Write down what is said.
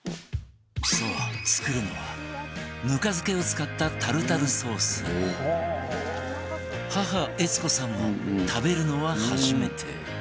そう作るのはぬか漬けを使ったタルタルソース母悦子さんも食べるのは初めて